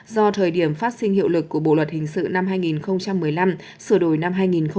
do thời điểm phát sinh hiệu lực của bộ luật hình sự năm hai nghìn một mươi năm sửa đổi năm hai nghìn một mươi bảy